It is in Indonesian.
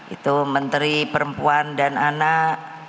itu menteri perempuan dan anak